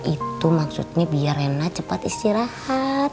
itu maksudnya biar enak cepat istirahat